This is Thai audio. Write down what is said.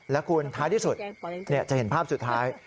แล้วคุณท้ายที่สุดจะเห็นภาพสุดท้าย